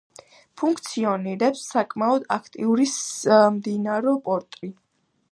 ფუნქციონირებს საკმაოდ აქტიური სამდინარო პორტი.